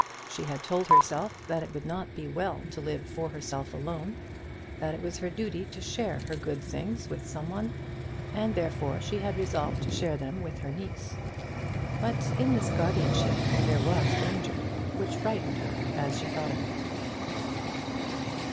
She had told herself that it would not be well to live for herself alone, that it was her duty to share her good things with some one, and therefore she had resolved to share them with her niece. But in this guardianship there was danger, which frightened her as she thought of it.